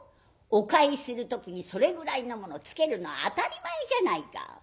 お返しする時にそれぐらいのものつけるの当たり前じゃないか。